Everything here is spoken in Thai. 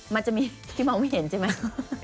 ลูกดูไม่เห็นจิไหม